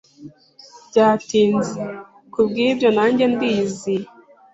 Byatinze kubwibyo nanjye ndiyiziye